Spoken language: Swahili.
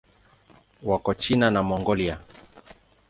Wako China na Mongolia.